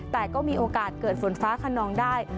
แต่ก็มีโอกาสเกิดฝนฟ้าขนองได้